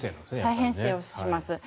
再編成をします。